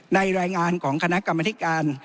รายงานของคณะกรรมธิการ